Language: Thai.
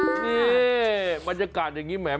นี่บรรยากาศอย่างนี้แหม